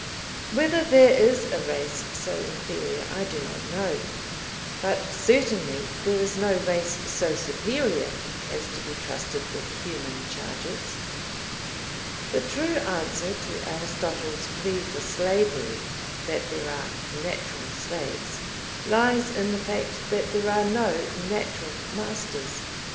Whether there is a race so inferior I do not know, but certainly there is no race so superior as to be trusted with human charges. The true answer to Aristotle's plea for slavery, that there are "natural slaves," lies in the fact that there are no "natural" masters.